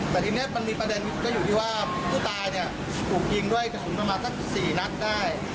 แต่ทีนี้มันมีประเด็นก็อยู่ที่ว่าผู้ตายเนี่ยถูกยิงด้วยกระสุนประมาณสัก๔นัดได้